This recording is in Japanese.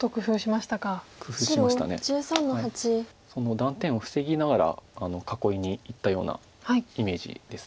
断点を防ぎながら囲いにいったようなイメージです。